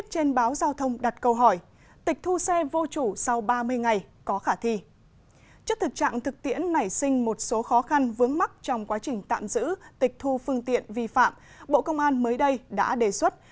trước thực trạng thực tiễn nảy sinh một số khó khăn vướng mắt trong quá trình tạm giữ tịch thu phương tiện vi phạm bộ công an mới đây đã đề xuất